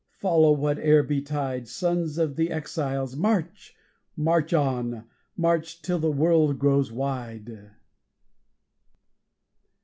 Follow, whate'er betide! Sons of the Exiles, march! March on! March till the world grows wide!